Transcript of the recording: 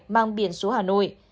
mang biển xuống hà nội